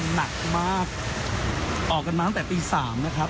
หนักมากออกกันมาตั้งแต่ตี๓นะครับ